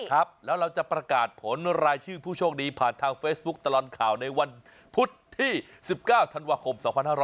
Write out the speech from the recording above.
ครับแล้วเราจะประกาศผลรายชื่อผู้โชคดีผ่านทางเฟซบุ๊คตลอดข่าวในวันพุธที่๑๙ธันวาคม๒๕๖๐